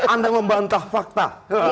anda membantah fakta